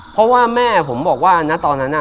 เพราะว่าแม่ผมบอกว่าณตอนนั้น